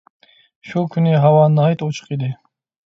شۇ كۈنى ھاۋا ناھايىتى ئوچۇق ئىدى.